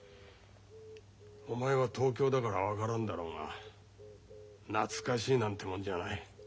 お前は東京だから分からんだろうが懐かしいなんてもんじゃない。